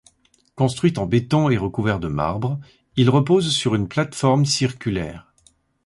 Construit en béton et recouvert de marbre, il repose sur une plateforme circulaire.